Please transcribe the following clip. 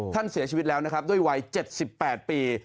ท่านเสียชีวิตแล้วด้วยวัย๗๘ปี